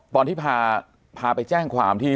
ตอนที่พาไปแจ้งความที่